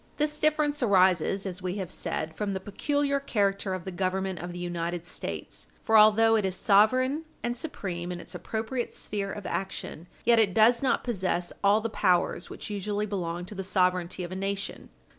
This difference arises, as we have said, from the peculiar character of the Government of the United States. For although it is sovereign and supreme in its appropriate sphere of action, yet it does not possess all the powers which usually belong to the sovereignty of a nation.